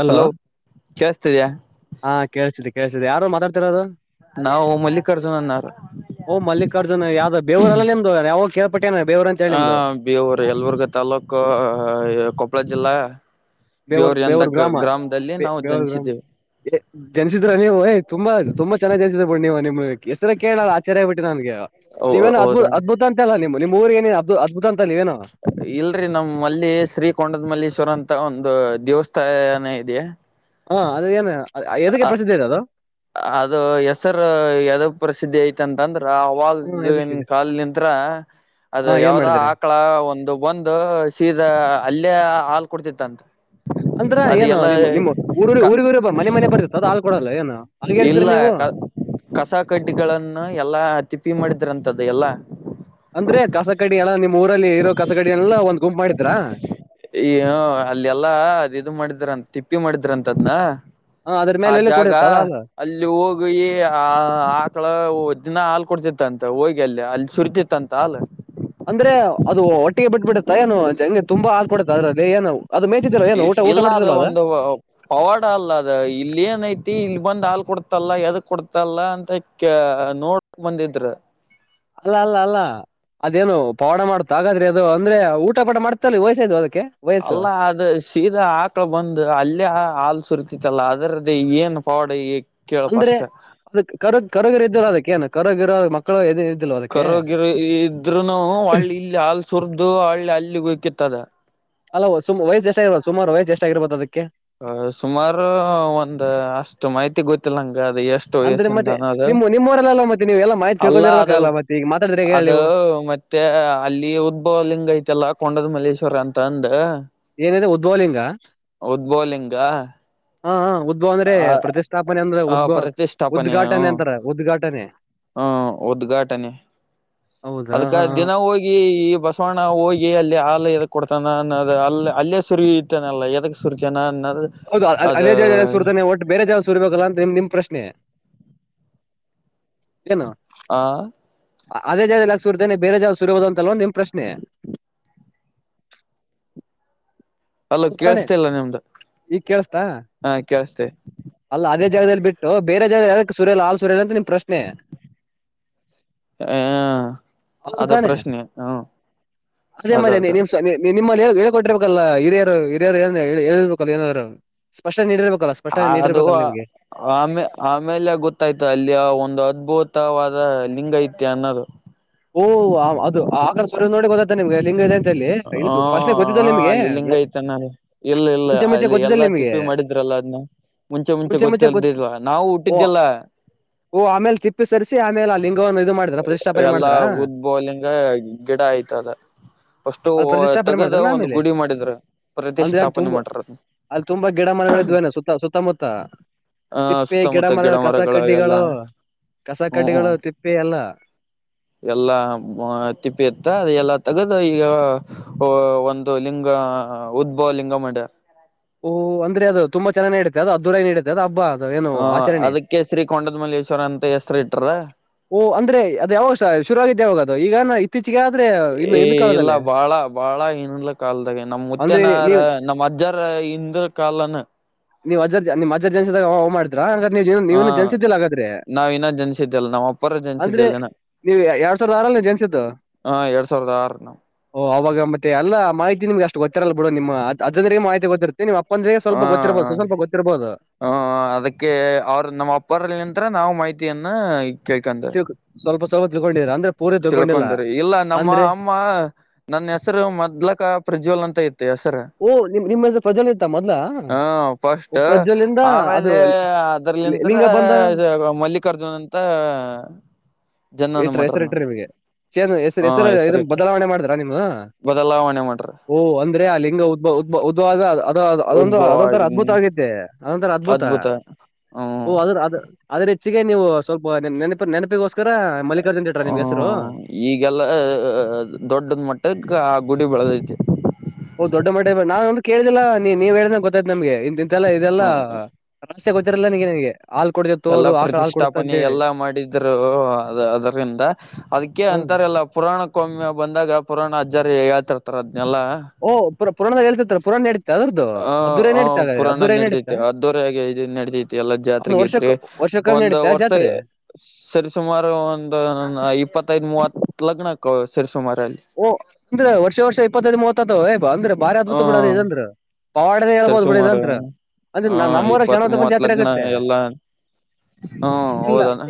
hello hello ಕೇಳಸ್ತಿದಿಯಾ ಕೇಳ್ಸ್ತಾತಿದೆ ಕೇಳ್ಸ್ತಾತಿದೆ ಯಾರು ಮಾತಡ್ತಿರೋದು ನಾವು ಮಲ್ಲಿಕಾರ್ಜುನನ್ನರು ಓ ಮಲ್ಲಿಕಾರ್ಜುನ್ ಯಾವ್ದ ಬೇವರಲ್ಲ ನಿಮ್ದ ಯಾವಾಗ ಕೇಳ್ಪಟ್ಟೇನ ಬೇವೂರ್ ಅಂತ ಹೇಳಿ ಹ ನಿಮ್ದು ಬವರ್ ಯಲ್ಬುರ್ಗ ತಾಲ್ಲೂಕು ಕೊಪ್ಪಳ ಜಿಲ್ಲಾ ಬೇವೂರ್ ಬೇವರ್ ಎಂದ ಬೇವೂರ್ ಗ ಗ್ರಾಮದಲ್ಲಿ ನಾವು ಜನಿಸಿದ್ದೇವೆ ಜನ್ಿಸಿದ್ರ ನೀವು ್ ತುಂಬಾ ತುಂಬ ಚೆನ್ನಾಗಿ್ ಜನ್ಸಿದ್ ಬೋಡ್ ನೀವು ನೀವು ಹೆಸರ ಕೇಳಲ್ಲ ಆಚಾರ್ಯಗ್ ಬಿಟ್ಟ ನನ್ಗೆ ನೀವೇನು ಅದ್ು ಹೌದಾ ಅದ್ಭು ಅಂತಲ್ಲ ನೀವು ಊ ನದ್ಬು ಇಲ್ರರಿ ನಮ್ಮ್ ಅಲ್ಲಿ ಶ್ರೀಕೊಂಡದ ಮಲ್ಲೇಶ್ವರ ಅಂತ ಒಂದು ದೇವಸ್ಥಾ ಇದೆಯಾ ಹಾ ಅದ ಏನು ಎದಕ್ಕೆ ಪ್ರಸಿದ್ಧಿ ಇದೆ ಅದು ಅದು ಹೆಸರು ಯದ ಪ್ರಸಿದ್ಧಿ ಐತಂತಂದ್ರ ಹ್ಮ್ ಅವಾಗನ್ ಎದಕ್ಕಿದೆ ಕಾಲ್ ನಿಂತ ಅದು ಹಾ ಏನ್ ಯಾವದ ಮಾಡಿದಿರಿ ಆಕಳ ಒಂದು ಬಂದು ಸೀದಾ ಅಲ್ಲೇ ಆ ಕೊಡ್ತಿತ್ತ ಅಂತ ಅಂ್ರ ಏನ ನಿಮ್ಮ್ ನಿಮ್ಮ ಊ ಕ ಊರಿಗರ ಮನೆ ಮನೆ ಬರ್ತಿತ್ತು ಅದು ಹಾಲ್ ಕೊಡಲ್ಲ ಏನ ಇಲ್ಲ ಕಸ ಕಡ್ಡಿಗಳಗಳನ್ನು ಎಲ್ಲಾ ತಿಪ್ಪಿ ಮಾಡ ಮಾಡ್ರಂತದ್ದು ಎಲ್ಲಾ ಅಂದ್ರೆ ಕಸಗಡ್ಡಿ ಎಲ್ಲ ನಿಮ್ ಊರಲ್ಲಿ ಇರೋ ಕಸಗಡ ಎಲ್ಲ ಒಂದ್ ಗುಂಪ ಮಾಡಿ ಏ ಅಲ್ಲ ಎಲ್ಲಾ ಅದು ಇದು ಮಾಡಿದ್ರಂತ ತಿಪ್ಪಿ ಮಾಡಿದ್ರಂತ ಅದ್ನ ಅದ್ರ ಆ ಮೇಲೆ ಎಲ್ಲಿ ಜಾಗ ಕೊಡುತ್ತ ಅಲ್ಲ ಅಲ್ಲಿ ಹೋಗಿ ಆ ಆಕಳ ದಿನ ಹಾಲ್ ಕೊಡ್ತಿತ್ತ ಅಂತ ಹೋಗಿ ಅಲ್ಲಿ ಅಲ್ಲಿ ಸುರಿತಿತ್ತಂತ ಹಾ ಅಂದ್ರೆ ಅದು ಒಟ್ಟಿಗೆ ಬಿಟ್ಟಬಿಡತ್ತ ಏೋ ಜಂಗೆ ತುಂಬಾ ಹಾಕ್ಕಡತ್ತ ಅ್ರದೇ ಏನು ಅದು ಮೇಯ್ತಿದ್ರು ಏನು ಊಟ ಊಟ ಇಲ್ಲ ಅದ ಮಾಡ್ತಿದ್ರು ಅದು ಒಂದು ಪವಾಡ ಅಲ್ಲ ಅದ ಇಲ್ಲ ಏನಐತಿ ಇಲ್ಲಿ ಬಂದ್ಲ್ ಕೊಡ್ತಲ್ಲ ಯದ ಕೊಡ್ತಲ್ಲ ಅಂತ ಕ ನೋಡ್ಕ್ ಬಂದಿದ್ರು ಅಲ್ಲ ಅಲ್ಲ ಅಲ್ಲ ಅದೇನು ಪವಾಡ ಮಾಡ್ತ ಹಾಗಾದ್ರೆ ಅದು ಅಂದ್ರೆ ಊಟ ಪಟ ಮಾಡ್ತಲ್ಲಿ ವಯ್ಸಯ್ು ಅದಕ್ಕೆ ವಯಸ್ಸು ಅಲ್ಲ ಅದ ಸೀದಾ ಹಾಕಳ ಬಂದು ಅಲ್ಲಯೇ ಹಾಲ್ ಸುರ್ತ ತ್ತಲ್ಲ ಅದರದ್ದೇ ಏನ್ ಫಾರ್ಡ್ ಅಂದ್ರೆ ಅದ ಕರ ಕರಗರ ಇದ್ದಾರ ಅದಕ್ಕೇಏನು ಕರಗರ ಮಕ್ಕಳು ಎದೆ ಕರೋಗಿರು ಇದ್ೂನು ಒಳ್ಳಿ ಇಲ್ಲಿ ಹಾಲ್ ಸುರ್ದು ಒಳ್ಳೆ ಅಲ್ಲಿಗೆ ಬಕಿತ್ತದ ಅಲ್ಲ ಸು ವಯಸ್ಸ ಎಷ್ಟಾಗಿರ್ಬ ಸುಾರು ವಸ್ ಎಷ್ಟಾಗಿರ್ಬತ್ತ ಅದಕ್ಕೆ ಹ ಸುಮಾರು ಒಂದ ಅಷ್ಟು ಮಾಹಿತಿ ಗೊತ್ತಿಲ್ಲಂಗ ಅ ಅದ ಎಷ್ಟು ಅಂದ್ರೆ ಮತ್ತೆ ವಯಸ್ಸಿಂದನ್ನೋದು ನಿಮ್ಮ ನಿಮ್ಮವರೆಲ್ಲ ಮತ್ತೆ ನೀವು ಎಲ್ಲ ಮಾಹಿತಿ ಅಲ್ಲ ಅದ ತಿಳ್ಕೊಂಡಿರ್ಬೇಕಲ್ಲ ಮತ್ತೆ ಈಗ ಮಾತಾಡಿದ್ರೆ ಹೇಗೆ ಹೇಳಿ ಅದು ನೀವು ಮತ್ತೆ ಅಲ್ಲಿ ಉದ್ಭವಲಿಿಂಗ ಐತೆಲ್ಲ ಕೊಂಡದ್ ಮಲ್ಲೇಶ್ವರ ಅಂತ ಅಂದ ಏನಿದೆ ಉದ್ವಲಿಂಗ ಉದ್ಭವಲಿಂಗ ಹದ ಉದ್ಭವ್ ಅಂದ್ರೆ ಆ ಪ್ರತಿಷ್ಠಾಪನೆ ಅಂದ್ರ ಆ ಉದ್ಭವ ಪ್ರತಿಷ್ಠಾಪನೆ ಉದ್ಘಾಟನೆ ಅಂತರ ಉದ್ಘಾಟನೆ ಹ್ಮ ಉದ್ಘಾಟನೆ ಹೌದಾ ಅದ್ಕ ದಿನ ಹೋಗಿ ಈ ಬಸವಣ್ಣ ಹೋಗಿ ಅಲ್ಲಿ ಹಾಲು ಇ ಕೊಡ್ತಾನ ಅನ್ನೋದು ಅಲ್ಲಿ ಅಲ್ಲೇ ಸುರಿತಾನ ಅಲ್ಲ ಎದಕ್ಕೆ ಸುರಿತಾನ ಅನ್ನೋದು ಹೌದು ಅ- ಅದು ಅದೇ ಜಾಗದಾಗ ಸುರಿತಾನೆ ಒಟ್ಟು ಬೇರೆ ಜಾವ ಸುರ್ಬೇಕಲ್ಲ ಅಂತ ನಿಮ್ ನಿಮ್ ಪ್ರಶ್ನೆ ಏನು ಆ ಅದೇ ಜಾವ ಎಲ್ಲಾಕ ಸುರ್ತೇನೆ ಬೇರೆ ಜಾವ ಸುರ್ಬೋದ ಅಂತಲ್ಲ ಒ ನಿಮ್ ಪ್ರಶ್ನೆ ಅಲ್ಲೋ ಹೌದ್ ತಾನೆ ಕೇಳ್ಸ್ತೇ ಇಲ್ಲ ನಿಮ್ದು ಈಗ ಕೇಳಸ್ತಾ ಹಾ ಕೇಳ್ಸ್ತೆೇ ಅಲ್ಲ ಅದೇ ಜಾಗದಲ್ಲಿ ಬಿಟ್ಟು ಬೇರೆ ಜಾಗ ಯ ಸುರ್ಯಲ್ ಹಾಲ್ ಸುರ್ಯಲ್ ಅಂತ ನಿಮ ಪ್ರಶ್ನೆ ಹ ಹೌದು ಅದ ತಾನೆ ಪ್ರಶ್ನೆ ಹ್ಮ್ ಅದೇ ಮದೇ ನಿಮ್ಮಲ್ಲಿ ಹೇಳಳ್ಕೊಿರ್ಬೇಕು ಲ್ಲ ಹಿರಿಯರು ಹಿರಿಯರು ಏ ಹೇಳಿರ್ಬೇಕಲ್ಲ ಏನಾದ್ರು ಸ್ಪಷ್ಟ ನೀಡಿರ್ಬೇಕಲ್ಲ ಸ್ಪಷ್ಟ ಅದು ಆಮೇ ಆಮೇಲೆ ಗೊತ್ತಾಯ್ತು ಅಲ್ಲಿ ಒಂದು ಹದ್ಬೂ ತವಾದ ಲಿಂಗಾಯತ್ಯ ಅನ್ನೋದು ಓಹ ಆ ಅದು ಆ ನೋಡಿ ಗೊತ್ತ ನಿಮ್ಗೆ ಲಿಂಗ ಇದೆ ಅಂತಲ್ಲಿ ಹ ಇ ಪ್ರಶ್ನೆ ಹ ಗೊತ್ತಿದ್ದಲ್ಲ ನಿಮಂೆ ಅಲ್ಲಿ ಲಿಂಗ ಐತನಲ್ಲ ಇಲ್ಲ ಇಲ್ಲ ಅಲ್ಲಿ ಎಲ್ಲಾ ತಿಪ್ಪಿ ಮಾಡಿದ್ರಲ್ಲ ಅದ್ನ್ನ ಮುಂಚೆ ಮುಂಚೆ ಗೊತ್ತಿದಿಲ್ವಾ ನಾವು ಓ ಹಊಟ್ಟಿದ್ದಲ್ಲ ಓ ಆಮೇಲೆ ತಿಪ್ಪಿ ಸರಿಸಿ ಆಮೇ ಆ ಲಿಂಗವನ್ನು ಇದು ಮಾಡಾರೆ ಪ್ರತಿ್ಠಪನೆ ಮಾಡತಾರೆ ಉದ್ಬೌಲಿಂಗ ಗಿಡ ಆಯ್ತ ಅದ ಅಷ್ಟು ಅಲ್ಲಿ ಪ್ರತಿಷ್ಠಾಪನೆ ತಗದ ಮಾಡಿದ್ರನ ಒಂದು ಆಮೇಲೆ ಗುಡಿ ಮಾಡಿದ್ರ ಅಂದ್ರೆ ಅಲ್ಲಿ ಪ್ರತಿಷ್ಠಾಪನೆ ತುಂಬಾ ಮಾಡ್ರ ಅದ ಅಲ್ಲಿ ತುಂಬಾ ಗಿಡ ಮರಗಳಿದ್ವೇನೆ ಸುತ್ತ ಸುತ್ತಮುತ್ತ ಆ ತಿಪ್ಪಿ ಗಿಡ ಸುತ್ತಮುತ್ತ ಮರಗಳು ಕಸ ಎಲ್ಲಾ ಕಡ್ಡಿಗಳು ಕಸ ಕಡ್ಡಿಗಳು ತಿಪ್ಪಿ ಎಲ್ಲ ಎಲ್ಲ ತಿಪ್ಪಿ ಇತ್ತ ಅ ಎಲ್ಲ ತಗದು ಈಗ ಒಂದು ಲಿಂಗ ಹಾ ಉದ್ಭವ ಲಿಂಗ ಮ ಓಹ ಅಂದ್ರೆ ಅದು ತುಂಬ ಚನ ನಡೆ ಅದುದದುೂರ ನಡೆ ಅದದು ಹಬ್ ಹ ಅದಕ್ಕೆ ಶ್ರೀ ಕೊಂಡದ ಮಲ್ಲೇಶ್ವರ ಅಂತ ಹೆಸ್ರು ಇಟ್ರ ಓಹ ಅಂದ್ರೆ ಅದ ಯಾವ ಶುರು ಆಗಿದ್ದಾವಾಗದು ಈಗ ಇತ್ತೀಚ ಏ ಇಲ್ಲ ಬಾಳ ಬಾಳ ಇನ್ನಂದಲ ಕಾಲದಾಗೆ ನಮ ಅಂದ್ರೆ ಮುತ್ತನಾರ ನೀವ್ ನಮ್ಮ್ ಅಜ್ಜರ ಇಂದ್ರ ಕಾಲನ ನೀವು ಅಜ ನಿಮ್ಜೆನ್ಸಿಗ ಹ ಮಾಡಿದ್ರಾ ಹ ನೀವನು ಜನಿಸಿದ್ದಿಲ್ಲ ಹಾಗಾದ್ರೆ ನಾವ್ ಇನ್ನ ಜನಿಸಿದ್ದಲ್ಲ ನಾವ್ ಅಪ್ಪರ ಅಂದ್ರೆ ಜನಿಸಿದ್ದಲ್ಲನ ನೀವು ಎರಡ್ ಸಾವಿರದ ಆರಲ್ಲಿ ಜನಿಸತ್ತುು ಹ ಎರಡ್ ಸಾವಿರದ ಆರು ನಾವ್ ಓ ಅವಾಗ ಮತ್ತೆ ಎಲ್ಲ ಮಾಹಿತಿಮ್ಗೆಷ್ಟ ಗೊತ್ತರಲ್ಲ ಬಿಡುಡಮಮ್ಮ ಅಜಂದರಿಗೆ ಮಾಹಿತಿ ಗೊತ್ತ ನಿವು ಅಪ್ಪ ಅಂದ್ರರಿಗೆ ಸ್ವಲ್ಪ ಗೊ ಹ ಹ ಅದಕ್ಕೆ ಅವ್ರ ನಮ್ಮ ಅಪ್ಪರಲ್ಲಿ ನಂತರ ನಾವ್ ಮಾಹ [unintelligible] ಸ್ವಲ್ಪ ಸ್ವಲ್ಪ ತಿಳ್ಕೊಂಡಿದ್ರ ಅಂದ್ರೆ ಪೂರ ತಿಳ್ಕೊಂಡಿಲ್ಲ ತಿಳ್ಕೊಂಡ್ರಿ ಇಲ್ಲ ನಮ್ಮ ಅಂದ್ರೆ ಅಮ್ಮ ನನ್ನ ಹೆಸರು ಮದ್ಲಕ್ಕ ಪ್ರಜ್ವಲ್ ಅಂತ ಇತ್ತು ಹೆಸರ ಓ ನಿಮ್ ನಿಮ್ಮ ಹೆಸರು ಪ್ರಜ್ವಲ್ ಇತ್ತ ಮೊದ್ಲ ಹ ಓ ಸ್ಟ್ ಪ್ರಜ್ವಲಿಂದ ಅದು ಆಮೇಲೆ ಲಿ- ಅದ್ರಲ್ಲಿಂತರ ಲಿಂಗ ಬಂದ ಮಲ್ಲಿಕಾರ್ಜುನ್ ಅಂತ ಜನನ ಹಿಟ್ರೂ ಮಾಡ್ರ ಹೆಸರ್ ಇಟ್ರೀ ನಂತ ನಿಮಗೆ ಚನ್ ಹೆಸ ಹ ಹೆಸರು ಇದ ಹೆಸರಿಟ್ರಿ ಬದಲಾವಣೆ ಮಾಡ್ರ ನಿಮ ಬದಲಾವಣೆ ಮಾಡ್ರಿ ಓ ಅಂದ್ರೆ ಅಲ್ಲಿ ಹದದ ಉದ್ವಾಗ ಅದ ಅದೊಂದು ಉದ್ಭವ ಅದೊಂಥರ ಅದ್ಭುತ ಆಗಿದೀನಿ ಆಗತ್ತೆ ಅದೊಂತರ ಅದ್ಭುತ ಹ್ಮ ಓ ಅದ ಅದ ಅದ್ರ ಹೆಚ್ಚಿಗೆ ನೀವು ಸ್ವಲ್ಪ ನೆ ಗೋಸ್ಕರ ಮಲ್ಲಿ ಹ ಈಗೆಲ್ಲ ದೊಡ್ಡದ ಮಟ್ಟದ ಆ ಗುಡಿ ಬೆಳೆದೈತಿ ಹೌ ದೊಡ್ಡ ಮಟ್ಟ ನಾಂದ ಕೇಳ್ದಿಲ್ಲಾ ನೀ ನೀವ್ ಹೇಳ್ದ ಗೊತ್ತಾಯ್ತ್ ನಮ್ಗೆ ಇಂತ ಇಂತೆಲ್ಲ ಇದೆಲ್ಲಾ ಹ್ಮ ಆಸ್ತೆ ಗೊರಲ್ಲ ನ ನೀಗೆ ನನ್ಗೆ ಎಲ್ಲ ಪ್ರತಿಷ್ಠಾಪನೆ ಎಲ್ಲಾ ಮಾಡಿದ್ರು ಅದರಿಂದ ಅದಕ್ಕೆ ಹ್ಮ ಅಂತಾರೆ ಎಲ್ಲ ಪುರಾಣ ಕೌಮ್ಯ ಬಂದಾಗ ಪುರಾಣ ಅಜ್ಜರಿ ಹೇಳತಿರ್ತಾರ್ ಓ ಪುರಾಣದ ಹೇಳ್ತಿತ ಪುರಾಣ ಅದ್ರದ್ದು ಹ ಅದ್ದೂರ ಹ ನಡೀತಾ ಹಾಗಾದ್ರೆ ಪುರಾಣದ ಅದ್ದೂರ ನಡತೈತಿ ನಡೀತಾ ಅದವರೆ ಇದು ನಡತೈತಿ ಎಲ್ಲ ಒಂದು ಜಾತ್ರೆಗೆೈತ್ರಿ ವರ್ಷಕ್ ವರ್ಷಕ್ಕಾಗಿ ಒಂದು ನಡೀತಾ ವರ್ಷ ಜಾತ್ರೆ ಸರಿಸುಮಾರು ಒಂದು ಇಪ್ಪತ್ತೈದ ಮೂವತ್ ಲಗ್ನ ಆತ ಸೇರ್ರಿಸುಮಾರ ಓ ಅಂದ್ರೆ ವರ್ಷ ವರ್ಷ ಇಪ್ಪತ್ತೈದು ಮೂವತ್ ಯಾತವ್ ಅಂದ್ರೆ ಬಾರಿ ಹ ಅದ್ಭುತ ಬಿಡದ ಇದಂದ್ರ ಪವಾಡದ ಸರಿ ಹೇಳ್ಬೋದು ಬಿಡಿ ಸುಮಾರು ಇದಂತ್ರ ಅಂದ್ರೆ ಹ ನ ನಮ್ಮವರ ಇಪ್ಪತ್ ಶಣವಂತಪ್ಪನ ಮೂವತ್ ಜಾತ್ರೆ ಲಗ್ನ ಆಗುತ್ತೆ ಎಲ್ಲಾ ಹ್ಮ ಇಲ್ಲ ಹೌದಣ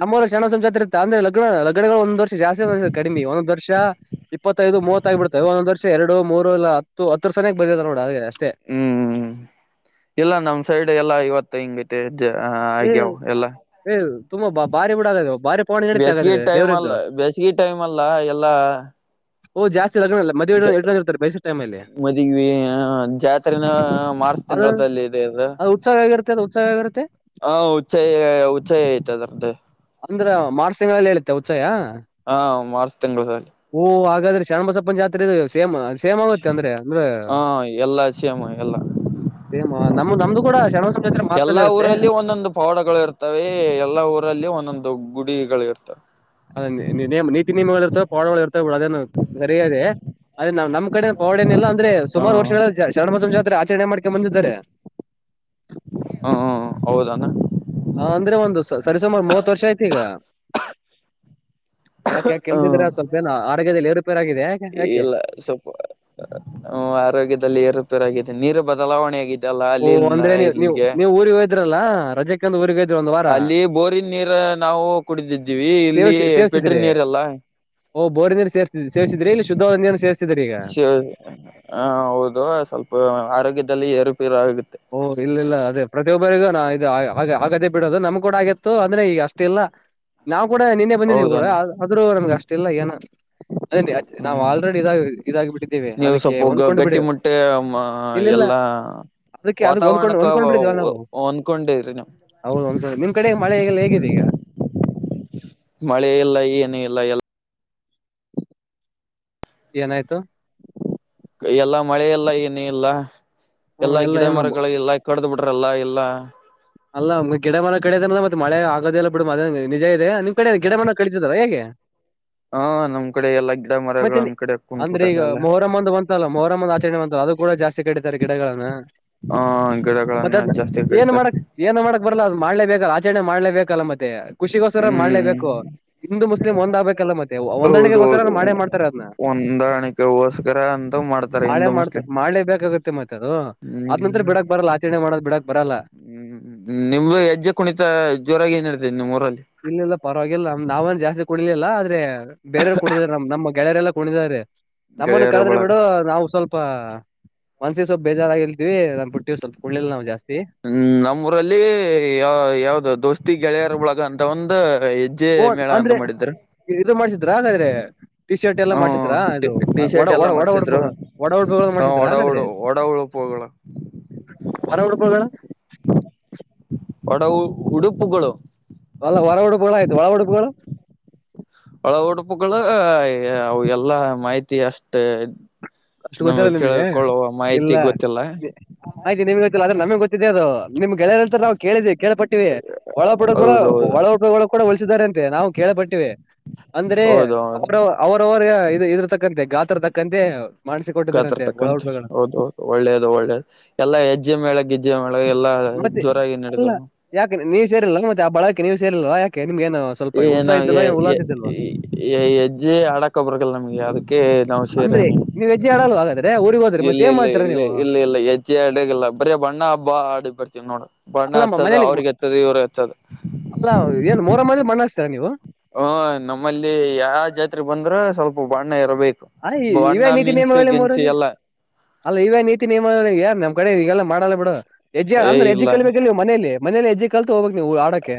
ನಮ್ಮರ ಶಷಣ ಸಂಸ ಅಂದ್ರೆ ಲಗ್ ಲಗ್ನಗಳು ಒಂದ ವರ್ಷ ಜಾಸ್ತಿ ಕಡಿಮೆ ಒಂದಂದು ವರ್ಷ ಇಪ್ಪತ್ತೈದು ಮೂತ್ತ್ತ ಆಗಿಬಿಡ್ತವೆ ಒಂದ ಒಂದ್ ವರ್ಷ ಎರಡು ಮೂರು ಇಲ್ಲ ಹತ್ತು ಹತ್ತು ಸನ ಬಿದೆ ನೋಡ ಹಾಗೆ ಅಷ್ಟೇ ಹ್ಮ್ ಇಲ್ಲ ನಮ್ ಸೈಡ್ ಎಲ್ಲಾ ಇವತ್ತು ಹಿಂಗೈತೆ ಏ ಹಾಗ್ಯಾವ ಎಲ್ಲ ಏ ತುಂಬಾ ಬಾ ಬಾರಿ ಬಿಡ ಹಾಗಾದ್ರೆ ಬಾರಿ ಪವನ ನಡೀತೆ ಬೇಸಿಗೆ ಹಾಗಾದ್ರೆ ಟೈಮ್ ದೇವ್ರದ್ದು ಅಲ್ಲ ಬೇಸಿಗೆ ಟೈಮ್ ಅಲ್ಲ ಎಲ್ಲ [inaudible] ಮದ್ವೆ ಇರ್ತಾರೆ ಬಯಸ ಟೈಮಲ್ಲಿ ಅ ಮದವಿ ಜಾತ್ರೆನ ಮಾರ್ಚ್ ತಿಂಗಳದಲ್ಲಿ ಇದೆ ಇದು ಅದು ಉತ್ಸವ ಆಗಿರುತ್ತೆ ಅದದು ಉತ್ಸವ ಆಗಿರುತ್ತೆ ಹಾ ಉಸಾಯ ಉಸಾಯ ಆಯ್ತ ಅದ್ರ್ದೆ ಅಂದ್ರ ಮಾರ್ಚ್ ತಿಂಗಳಲ್ಲಿ ಹೇಳುತ್ತೆ ಉಚ್ಚಾಯ ಹಾ ಮಾರ್ಚ್ ತಿಂಗಗಳು ಸರಿ ಓಹ ಹಾಗಾದ್ರೆ ಶರಣಬಸಪ್ಪನ ಜಾತ್ರೆದು ಸೇಮ್ ಸೇಮ್ ಆಗುತ್ತೆ ಅಂದ್ರೆ ಅಂದ್ರೆ ಹಾ ಎಲ್ಲಾ ಸಿೇಾಮ ಎಲ್ಲಾ ಸೇಮ್ ನಮ್ ನಮ್ದು ಕೂಡ ಶರಣ ಬಸಪ್ಪನ ಜಾತ್ರೆ ಮಾರ್ಚ್ ಅಲ್ಲಿ ಎಲ್ಲಾ ಇರುತ್ತೆ ಊರಲ್ಲಿ ಒಂದೊಂದು ಪವಾಡಗಳು ಇರ್ತವೆ ಎಲ್ಲಾ ಊರು ರಲ್ಲಿ ಒಂದೊಂದು ಗುಡಿಗಳು ಇರ್ತವೆ ಹ ನೀತಿ ನಿಯಮ ಪೋಡಗಳು ಇರ್ತವೆ ಬಿ ಅದೇ ಸರಿಯಾದ ಅ ಆದ್ರ ನ್ ನಮ್ಮ ಕಡೆ ಪೋಡ್ ಏನಲ್ಲ ಅಂದ್ರೆ ಹಾ ಸುಮಾರು ವರ್ಷ ಹೇಳ ಶರಣ ಮಾಸಂ ಜಾತ್ರೆ ಆಚರಣೆ ಮಾಡ್ಕೊಂಡ ಬಂದಿದ್ದಾರೆ ಹ್ಮ ಹೌದಾನ ಹ ಅಂದ್ರೆ ಒಂದು ಸರಿರಿಸುಮಾರ ಮೂವತ್ ವರ್ಷ ಐತಿ ಈಗ ಯಾಕೆ ಯಾಕೆ ಹ್ಮ್ ಕೆಮತಿದ್ರೆ ಸ್ವಲ್ಪ ಏನ ಆರೋಗ್ಯ ರಿಪೇರ್ ಆಗಿದೆ ಯಾೆ ಯಾಕೆ ಹ್ಮ ಆರೋಗ್ಯದಲ್ಲಿ ಏರುಪೇರಾಗಿದೆ ನೀರು ಬದಲಾವಣೆ ಆಗಿದ್ದ ಓಹ ಅಂದ್ರೆ ನೀವು ನೀವು ನೀವು ಊರಿಗೆ ಹೋಯದ್ರಲ್ಲ ರಜೆಕಂದ ಊರಿಗೆ ಹಯ ಅಲ್ಲಿ ಬೋರಿನ್ ನೀರ್ ನಾವು ಕುಡಿದಿದ್ದೀವಿ ಇಲ್ಲಿ ಸೇವಿಸಿ ಪೆಟ್ರಿ ಸೇವಿಸಿದ್ರಿ ನೀರೆಲ್ಲ ಓ ಬೋರ್ನೇ ಸೇಿದ್ರಿ ಇ ಶುದ ಸೇ ಶ ಹ ಹೌದು ಸ್ವಲ್ಪ ಆರೋಗ್ಯದಲ್ಲಿ ಏರುಪೇರು ಆಗುತ್ತೆ ಓ ಇಲ್ಲ ಇಲ್ಲ ಅದೇ ಪ್ರತಿಯೊಬ್ ರೆಗೂಾ ಇದು ಆಗದ ಬಿಡೋದು ನಮ್ ಕೂಡ ಆಗಿತ್ತು ಅಂದ್ರೆ ಈಗ ಅಷ್ಟ ಇಿಲ್ಲಲ್ಲ ನಾವವು ಕೂಡ ನಿನ್ನೆ ಬಂದಿದ್ದೀವಿ ಕೂಡ ಹೌದನು ಆದದ್ರೂ ನಮ್ಗ ಅಷ್ಟ ಇಲ್ಲ ಏನ ಅದ ನಾವು ಹ್ಮ್ ಆಲ್ರೆಡಿ ಇದಾಗ ಇದಾಗಿ ಬಿಟ್ಟಿದ್ದೇವಿ ನೀವು ಅದಕ್ಕೆ ಸ್ವಲ್ಪ ಹೊಂದ್ಕೊಂಡು ಬಿಡಿವು ಇಲ್ಲಿಲ್ಲ ಲ್ಲ ವಾತಾವರಣಕ್ಕೆ ಒಂದ್ಕೊಂಡಿದ್ರಿ ನೀವು ಹೌದ ಒಂದ್ಸ ನಿಮ್ ಕಡೆ ಮಳೆ ಹಗೆಲ್ಲ ಹೇಗಿದೆ ಈಗ ಎಲ್ಲ ಎಲ್ಲ ಏನಾಯ್ತು ಎಲ್ಲಾ ಮಳೆಲ್ಲಾ ಏನ ಇಲ್ಲ ಹ್ಮ್ ಎಲ್ಲಾ ಎಲ್ಲ ಗಿಡ ಏನು ಮರಗಳ ಇಲ್ಲ ಕಡ್ದು ಬಿ ಲ್ಲ ಎಲ್ಲ ಅಲ್ಲಮ್ ಗಿಡ ಮರ ಕಡ ಅದ ಅ್ರ ಮತ್ತ ಮಳೆ ಆಗದಿಲ್ಲಲ್ಲ ಬಿ ಮ ನಿಜ ಇ ನಿಮ್ ಕಡೆ ಗಿಡ ಬಣ್ಣ ಕಳಿಸದಾರ ಹೇಗೆ ಹ ನಮ್ ಕಡೆ ಎಲ್ಲಾ ಗಿಡ ಮತ್ತೆ ಮರಗಳು ಒಂದ್ ಕಡೆ ಅಂದ್ರೆ ಈಗ ಕುಂದ್ಬಿಟಾರಲ್ಲ ಮೊಹರಮ್ ಒಂದು ಬಂತಲ್ಲ ಮೊಹರಮ್ಮ ಒಂದ ಆಚರಣೆ ಬಂತ ಅದು ಕೂಡ ಜಾಸ್ತಿ ಕಡಿತಾರೆ ಗಿಡಗಳನ್ನು ಹ ಗಿಡಗಳನ್ನ ಮತ್ತದ ಜಾಸ್ತಿ ಏನ್ ಮಾಡ ಕಡಿತಾರೆ ಏನ್ ಮಾಡ ಬರಲ್ಲ ಅದು ಮಾಡ್ಲೇಬೇಕಲ್ಲ ಆಚರಣೆ ಮಾಡ್ೇಬೇಕ ಅಲ್ಲ ಮತ್ತೆ ಖುಷಿಗೋಸ್ಕರ ಮಾಡ್ಲೇಬೇಕು ಹ್ಮ್ ಹಿಂದ ಮುಸ್ಲಿಮ ಒಂದ್ ಆಗ್ಬೇಕಲ್ಲ ಮತ್ತೆ ಒಂದಣಗಗೋಸ್ಕರ್ರ ಹೌದೌದು ಮಾಡೇ ಮಾಡ್ತಾರೆ ಅದ್ನ್ನ ಹೊಂದಾಣಿಕೆಗೋಸ್ಕರ ಅಂತ ಮಾಡ್ತಾರೆ ಮಳೆ ಹಿಂದೂ ಮುಸ್ಲಿಂ ಮಾಡ್ತಾರೆ ಮಾಡಳೆ ಬೇಕಾಗುತ್ತೆ ಮತ್ತೆ ಅದು ಆದದ್ ನಂತತ್ರ ಹ್ಮ್ ಬಿಡಕ್ ಬರಲ್ಲ ಆಚರಣೆ ಮಾಡ ಬಿಡಕ್ ಬರಲ್ಲ ್ಮ ನಿಮ್್ದು ಹೆಜ್ಜೆ ಕುಣಿತ ಜೋರಾಗಿ ಏನ್ ಹಡ್ತೇ ನಿಮ್ಮ್ ಊರಲ್ಲಿ ತಿ ಕುಡಿಲಿಲ್ಲ ಆದ್ರೆ ಬೇರೆಯವರು ಕುಡಿದಿದ್ದಾರೆ ನಮ್ ನಮ್ಮ ಗೆಳರೆಲ್ಲಾ ಕುಡಿದಿದ್ದಾರೆ ನಮ್ಮನ್ನು ಗೆಳೆಯರ ಕರೆದ್ರೆ ಬಳಗ ಬಿಡು ನಾವು ಸ್ವಲ್ಪ ಸ್ವಪ ಮನ್ಸಿಗೆ ಸ್ವಪ ಬೇಜಾರಾಗಿರ್ತೀವಿ ನಾನ್ ಬಿುಟ್ಟೀ್ ಸ್ವಲ್ಪ ಕುಳ್ಳಿಲ್ ನಾವು ಜಾಸ್ತಿ ಹ್ಮ್ ನಮ್ಮ ಊರಲ್ಲಿ ಯಾವ ಯಾವ್ದ ದೋಸ್ತಿ ಗೆಳೆಯರ ಒಳಗ ಅಂತ ಒಂದು ಹೆಜ್ಜೆ ಓ ಮೇಳ ಅಂತ ಅಂದ್ರೆ ಮಾಡಿದ್ರ ಇದು ಮಾಡ್ಸಿದ್ರ ಹಾಗಾದ್ರೆ ಟಿ ಶರ್ಟ್ ಎಲ್ಲ ಹ್ಮ್ ಮಾಡ್ಸಿದ್ರಾ ಇದು ಟಿ ಒಡ ಶರ್ಟ್ ಎಲ್ಲಾ ಉಡುಪು ಮಾಡ್ಸಿದ್ರು ಒಡ ಉಡುಪು ಮಾಡ್ಸಿದ್ರ ಆದ್ರೆ ಳೋ ಹರ ಎಡ ಪ್ರೋಗಡ ಒಡ ಉಡುಪುಗಳು ಅಲ್ಲ ಹೊರ ಉಡುಪುಗಳು ಆಯ್ತು ಒಳ ಉಡುಪುಗಳು ಒಳ ಉಡುಪುಗಳು ಅವ ಎಲ್ಲಾ ಮಾಹಿತಿ ಅಷ್ಟೇ ಅಷ್ಟು ನಮ್ಗೆ ಗೊತ್ತಿಲ್ಲ ನಿಮ್ಗೆ ತಿಳ್ಕೊಳ್ಳುವ ಮಾಹಿತಿ ಗೊತ್ತಿಲ್ಲ ಆಯ್ತಿಮಗೆೊತ್ತಿಲ್ಲ ಅ್ರ ನಮಗ್ ಗೊತ್ತಿದೆ ಅದು ನಿಮ್ ಗೆಳೆಯರ ಹಂತ ನಾವು ಕೇಳಿದ್ದವಿ ಕಳ್ಪಟ್ಟಿವವಿ ಒಳ ಪಡೆ ಕೂಡ ಹೌದೌದು ಒಳ ಕೂಡ ಉಳಸಿದಿದ್ದಾರೆ ಅಂತೆ ನಾವು ಕೇಳ ಪಟ್ಟಿವೆ ಅಂದ್ರೆ ಹೌದೌದು ಅವ್ರ ಅವರವ್ರ ಇದ್ರ ತಕ್ಕಂತೆ ಗಾತ್ರರ್ ತಕ್ಕಂತೆ ಗಾತ್ರ ಮಾಡಿಸಿಕೊಟ್ಟಿದ್ದಾರಂತೆ ತಕ್ಕಂತೆ ಒಳಪಡಗಳನ್ನು ಹೌದು ಹೌದು ಒಳ್ಳೇದು ಒಳ್ಳೇದು ಎಲ್ಲ ಹೆಜ್ಜೆ ಮೇಳ ಗಿಜ್ಜೆ ಮೇಳ ಎಲ್ಲ ಮತ್ತೆ ಅಲ್ಲ ಯಾಕೆ ನೀವ್ ಸೇರಿಲ್ ಮತ್ತೆ ಆ ಬಳಕೆ ನೀವು್ ಸೇರಿಲ್ವಾ ಯಾಕೆ ನಿಮ್ಗೇನು ಸ್ವಲ್ಪ ಈ ಉತ್ಸಾಹ ಇದ್ದಿಲ್ವಾ ನಮ್ಗೆ ಏನು ಉಲ್ಲಾಸ ಇದ್ದಿಲ್ವಾ ಹೆಜ್ಜೆ ಹಡಕಬರ್ಲ್ಲ ನಮ್ಗೆ ಅದಕ್ಕೆ ನಾವ ಸರಿ ಅಂದ್ರೆ ನೀ ನೀವ್ ಹೆಜ್ಜೆ ಆಡಲ್ವಾ ಹಾಗಾದ್ರೆ ಊರಿಗೆ ಹೋದ್ರೆ ಇಲ್ಲ ಮತ್ತೆ ಏನ್ ಇಲ್ಲ ಮಾಡ್ತೀರಾ ಇ ನೀವು ಇಲ್ಲ ಇಲ್ಲ ಹೆಜ್ಡಲ್ಲ ಬರಿ ಬಣ್ಣ ನ ಬಾಡ್ ಬರ್ತೀವ್ ನೋಡು ಬಣ್ಣ ಅಲ್ಲ ಮ- ಹಚ್ಚದ ಮನೇಲಿ ಅವ್ರಿಗೆ ಹಚ್ಚದ ಇವ್ರಿಗೆ ಹಚ್ಚದು ಅಲ್ಲ ಏನ್ ಮೋರ ಮದ ಮಣ್ಣ ಹ್ತಾರ ನೀವು ಹ್ಮ ನಮ್ಮಲ್ಲಿ ಯಾವ ಜಾತ್ರೆ ಬಂದ್ರೆ ಸ್ವಲ್ಪ ಬಣ್ಣ ಇರಬೇಕು ಹ ಈ ಇವ್ಯ ಬಣ್ಣ ನೀತಿ ಮಿಂಚು ನಿಯಮಳಿ ಮೂೋರ ಗಿಂಚು ಎಲ್ಲ ಅಲ್ಲ ಇವ್ಯ ನೀತಿ ನಿಯಮಿಗೆ ಯಾರ ನಮ ಕಡೆ ಈಗಲ್ಲ ಮಾಡಲ್ಲ ಬಿಡಜ್ಜ ಏ ಅಂದ್ರೆಜ್ಜಿ ಇಲ್ಲ ಕಲಿಬೇಕಲ್ವ ಮನೇಲಿ ಮನೇ ಎಜ್ಜ ಕಲ್ತ ಹೋಗ್ಬೇಕಕ್ ನೀವುರು ಆಡೋಕ್ಕೆ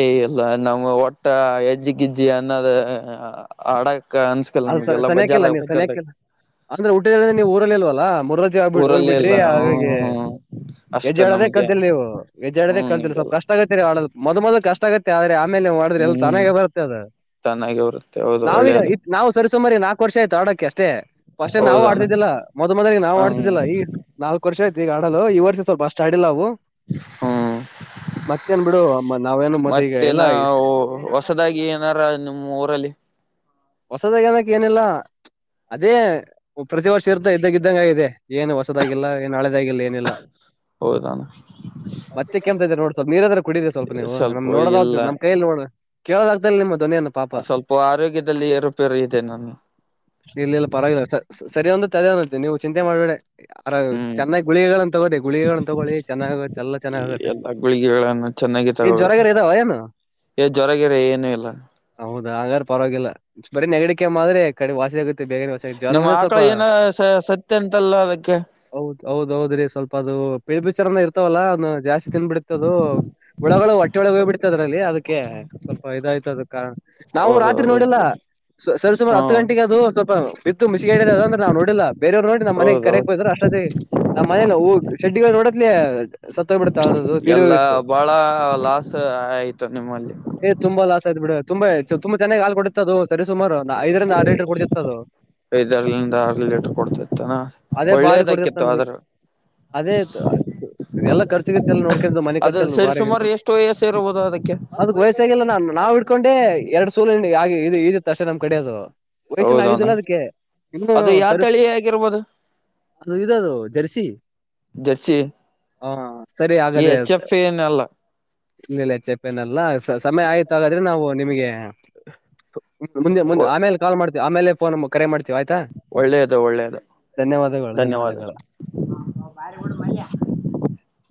ಏ ಇಲ್ಲ ನಮ್ ಒಟ್ಟ ಹೆಜ್ಜಿ ಗಿಜ್ಜಿ ಅನ್ನದ ಅಡ ಅನ್ಸ್ಕಲ್ ಅ ನಮಗೆಲ್ಲ ಸನ್ಯಕ್ಕಿಲ್ಲ ಬಜಾರ್ದಾಗ ನೀವು ಬಜಾರ್ದಾಗ ಸನ್ಯಕ್ಕಿಲ್ಲ ಅಂದ್ರೆ ಊಟಿದ ನೀವು ಊರಲ್ಲಿ ಇಲ್ವಲ್ಲ ಮುರ್ರಜೆ ಆಗ್ಬಿಟ್ಟ ಊರಲ್ಲೇ ಹೋಗ್ಬಿಟ್ರಿ ಇಲ್ಲ ಹಾಗಾಗಿ ಹ್ಮ್ ಅಷ್ಟ ಹೆಜ್ಜೆ ಹೇಳದೆ ನಮ್ಗೆ ಕಲ್ತಿ ನೀವು ಎಜಡ ಹ್ಮ್ ಕಲ್ ಸ್ವಲ್ಪ ನಿಗೆಲ್ಲ ಕಷ್ಟ ಆಗ ಮೊ ಮೊದಲು ಕಷ್ಟ ಆಗೆ ಆದ್ರೆ ಆಮೇಲೆ ಮಾಡಿದ್ರೆ ಎಲ್ಲ ಹ್ಮ್ ತನಾಗೆ ಬರುತ್ತೆ ಅದ ಚೆನ್ನಾಗಿ ಬರುತ್ತೆ ಹೌದು ನಾವೀಗ ಒಳ್ಳೇದು ನಾ ಸರಿಸುಮಾರಿ ನಾಕ ವರ್ ಆಯ್ತ ಆಡೋಕ್ಕೆ ಅಷ್ಟೇ ಸ್ಟ್ ನಾವು ಹೌದಾನ ಆಡ್ತಿದ್ದಿಲ್ಲ ಮೊದ ಮೊದಲಿಗೆ ನಾವು ಹ್ಮ್ ಆಡ್ತಿದ್ದಿಲ್ಲ ಈ ನಾಲ್ಕ ವರ್ಷ ಆಐತಿ ಈ ಆಡ ಈ ವರ್ಷ ಸ್ವಲ್ಪಷ್ಟ ಸ್ಟಾಡಿ ಲವು ಹ್ಮ ಬಿಡು ನ ಮತ್ತೇನ ಹೊಸದಾಗಿ ಏನಾರ ನಿಮ್ಮ್ ಊರಲ್ಲಿ ಹೊಸದ ನಕ ಏನಿಲ್ಲ ಅದೇ ಪ್ರತಿ ವರ್ಷ ಇರ್ತ ಇದ್ದಂಗ ಇದ್ದಂಗ ಇದೆ ಏನು ಹೊಸದಾಗಿಲ್ಲ ಏನು ಹಳೆದಾಗಿಲ್ಲ ಏನಿಲ್ಲ ಹೌದಾನ ಮತ್ತೆ ಕೆಮ್ತ ಇದದೆ ನೋಡ್ ಸ್ವಲ್ಪ ನೀರಾದ್ರೆ ಕುಡಿದರಿ ಸ್ವಲ್ಪ ನೀವು ನಮ್ ನೋಡೋದ ನಮ್ೈಯಲ್ಲಿ ನೋ ಕೇಳವಾಗಗ್ತಲ್ಲ ಮತ್ತೆ ಆ ಸ್ವಲ್ಪ ಆರೋಗ್ಯದಲ್ಲಿ ಏರುಪೇರು ಇದೆ ನಾನು ಇಲ್ಲ ಇಲ್ಲ ಪರವಾಗಿಲ್ಲ ಸರಿ ಅಂದ ಅದೇ ಅನತ್ತೆ ನೀವು ಚಿಂತೆ ಮಾಡ್ಬೇಡ ಅರ ಹ್ಮ್ ಚೆನ್ನಾಗ್ ಗುಳಿಗಳನ್ ತಗೋದೆೆ ಗುಳಿಗಳನ್ನ ತಗೊಳ್ಳಳಿ ಚೆನ್ನಾಗತ್ತ ಎಲ್ಲಾ ಚೆನ್ನಾಗಗತ್ತೆ ಎಲ್ಲ ಗುಳಿಗೆಗಳನ್ನು ಚೆನ್ನಾಗಿ ತಗೋಬೇಕು ಏ ಜ್ವರಗರ ಏನು ಇಲ್ಲ ಹೌದಾ ಹಂಗಾರ ಪರವಾಗಿಲ್ಲ ಬರೇ ನೆಗಡಿಕ ಆದ್ರೆ ಕಡೆ ವಾಸಿ ಆಗುತ್ತೆ ಬೇಗನೆಷ ಜ್ವರ ನಿಮ್ಮ ಒಂದ್ರ ಆಕಳ ಸ್ವಲ್ಪ ಏನ ಸ ಸತ್ಯ ಅಂತಲ್ಲ ಅದಕ್ಕೆ ಹೌದು ಹೌದೌದ್ರೀ ಸ್ವಲ್ಪ ಅದು ಪಿಳ ಬಚಾರನ ಇರ್ತವಲ್ಲಾ ಅ ಜಾಸ್ತಿ ತಿನ್ಬಿಡಿತ ಅದು ಹುಡಗಳು ಒಟ್ಟೆ ಹೋಗ್ ಬಿಡ್ತದ್ರಲ್ಲಿ ಅದಕ್ಕೆ ಸ್ವಲ್ಪ ಇದಾಯ್ತು ಅದ ನಾವು ರಾತ್ರಿ ನೋಡಿಲ್ಲ ಸುಾರಾರ್ ಹತ್ತು ಹ್ಮ ಗಂಟೆಗೆ ಅದು ಸ್ವಲ್ಪ ಬಿತ್ತು ಮುಿಸಿಸಿಿಗೆಡಿಲ್ಲ ಅ್ರ ನೋಡಿಲ್ಲ ಬೇರವ್ ನೋ ನಮ್ಮ ಮನೆಗೆ ಕರೆಗೆಕ್ಕೆೋ್ತಾ ಅಷ್ಟದೆ ನಮ್ಮ ಮನೇಲ್ಲ ಹ ಶೆಡ್ಡಿಗಳು ನೋಡತ್ಲ ಸತ್ತ ಹೋಗ್ಬ ಬಿಡತಾವ ಅನ್ನೋದು ತೀರು ಎಲ್ಲಾ ಹಿತ್ತು ಬಾಳ ಲಾಸ್ ಆಯ್ತು ನಿಮ್ಮಲ್ಲಿ ಏ್ುಂಬ ಲಾಸ್ ಆಯ್ತು ಬಿಡ ತುಂಬಾ ತುಂಬ ಚನ್ನಾಗಿ ಹಾಲ್ ಕೊಡಿತ ಅದು ಸರಿ ಸುಮಾರು ಐದರಿಂದ ಆರು ಲೀಟರ್ ಕೊಡ್ತಿತ್ತ ಅದು ಐದ್ರ್ಂದ ಆರ್ ಲೀಟರ್ ಕೊಡ್ತಾತ್ತಾನ ಅದೇ ಬಾರಿ ಕೊಡ್ತಿತ್ತು ಒಳ್ಳೇದಕಿತ್ತು ನಮ್ಗೆ ಆದದ್ರ ಅದೇ ಎಲ್ಲ ಖರ್ಚಗತ್ತು ಎಲ್ಲ ನೋಡ್ಕೊಂಡು ಮನೆ ಖರ್ಚು ಅದ್ರ ಎಲ್ಲ ಸರಿ ಬಾರಿಗ ಸುಮಾರು ಎಷ್ಟು ವಯಸ್ಸ ಇರಬಹುದು ಅದಕ್ಕೆ ಅದಕ್ ವಯಸ್ಸಾಗಿಲ್ಲ ನಾ ನಾವ್ ಇಡ್ಕೊಂಡೆ ಎರಡು ಸೂಲ ಆ ಇದು ಇದತ್ತು ತ ಅಷ್ಟೇ ನಮ್ ಕಡೆ ಅದು ಹೌದೌನ ವಯಸ್ಸಿನಾಗಿದ್ದಿಲ್ಲ ಅದಕ್ಕೆ ಇನ್ನು ಅದು ಯಾವ ಸ ತಳಿ ಆಗಿರ್ಬೋದು ಅದು ಇದದು ಜರ್ಸಿ ಜರ್ಸಿ ಹಾ ಸರಿ ಈ ಹಾಗಗದೆೇ ಎಚ್ ಹತ ಎಫ್ ಏನಲ್ಲ ಇಲ್ಲಿಲ್ಲ ಚೆಪೆನಲ್ಲ ಸಮಯ ಆಯ್ತು ಹಾಗಾದ್ರೆ ನಾವು ನಿಮಗೆ ಮುಂದೆ ಮುೆ ಆಮೇ ಕಾ ಮಾಡ್ತವಿ ಆಮೇ ೋ ಕರೆ ಮಾಡ್ತ ಒಳ್ಳೇದ ಒಳ್ಳೇದು ಧನ್ಯವಾದಗಳು ಧನ್ಯವಾದ ಧನ್ಯವಾದಗಳು ಹ ಬಾರಿ ಬಿಡ ಮಲ್ಯ